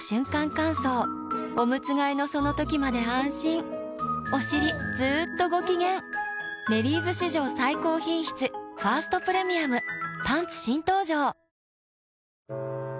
乾燥おむつ替えのその時まで安心おしりずっとご機嫌「メリーズ」史上最高品質「ファーストプレミアム」パンツ新登場！